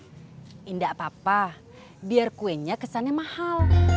tidak apa apa biar kuenya kesannya mahal